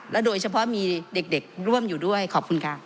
โดยเฉพาะมีเด็กร่วมอยู่ด้วยขอบคุณค่ะ